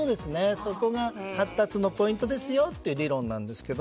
そこが発達のポイントですよという理論です。